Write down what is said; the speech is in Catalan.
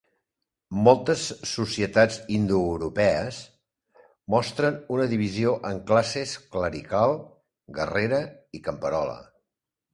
Moltes societats indoeuropees mostren una divisió en classes clerical, guerrera i camperola.